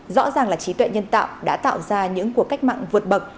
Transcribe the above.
rõ ràng là trí tuệ nhân tạo đã tạo ra những cuộc cách mạng vượt bậc